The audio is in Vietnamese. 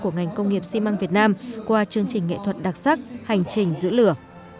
của ngành công nghiệp xi măng việt nam qua chương trình nghệ thuật đặc sắc hành trình giữ lửa